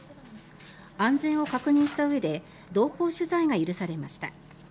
安全を確認したうえで同行取材が許されました。